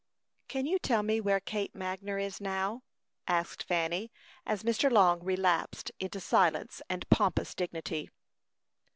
"Can you tell me where Kate Magner is now?" asked Fanny, as Mr. Long relapsed into silence and pompous dignity.